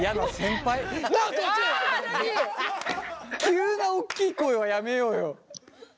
急な大きい声はやめようよ。